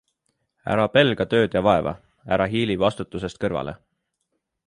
Ära pelga tööd ja vaeva, ära hiili vastutusest kõrvale.